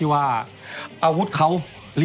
พี่แดงก็พอสัมพันธ์พูดเลยนะครับ